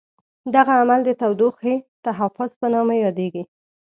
دغه عمل د تودوخې تحفظ په نامه یادیږي.